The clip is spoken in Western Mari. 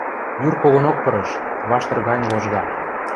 Юр когонок пырыш, ваштыр гань ложга.